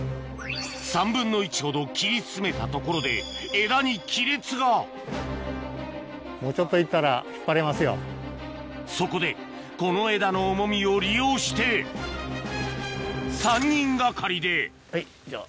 ３分の１ほど切り進めたところで枝に亀裂がそこでこの枝の重みを利用して３人がかりではいじゃあ。